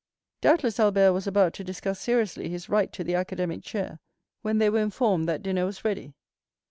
Doubtless Albert was about to discuss seriously his right to the academic chair when they were informed that dinner was ready.